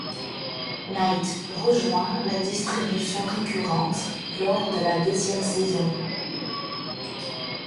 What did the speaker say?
Knight rejoint la distribution récurrente, lors de la deuxième saison.